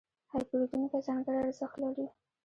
هر پیرودونکی ځانګړی ارزښت لري.